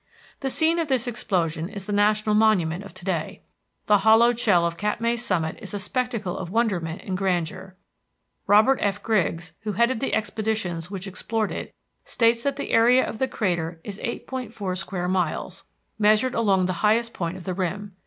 The scene of this explosion is the national monument of to day. The hollowed shell of Katmai's summit is a spectacle of wonderment and grandeur. Robert F. Griggs, who headed the expeditions which explored it, states that the area of the crater is 8.4 square miles, measured along the highest point of the rim.